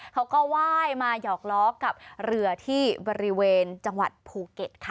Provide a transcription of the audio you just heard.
เขาก็ไหว้มาหยอกล้อกับเรือที่บริเวณจังหวัดภูเก็ตค่ะ